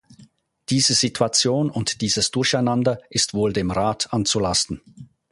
Diese Situation und dieses Durcheinander ist wohl dem Rat anzulasten.